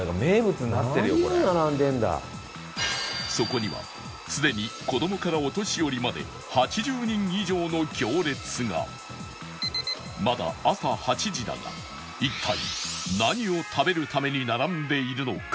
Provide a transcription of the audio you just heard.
そこにはすでに子どもからお年寄りまでまだ朝８時だが一体何を食べるために並んでいるのか？